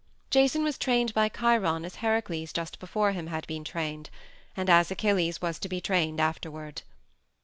Jason was trained by Chiron as Heracles just before him had been trained, and as Achilles was to be trained afterward.